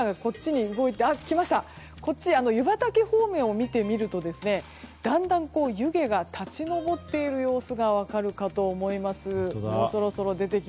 湯畑方面を見てみるとだんだん、湯気が立ち上っている様子が分かるかと思います。